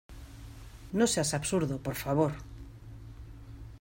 no seas absurdo, por favor.